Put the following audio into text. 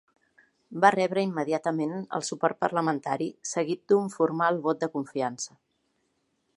Va rebre immediatament el suport parlamentari seguit d'un formal vot de confiança.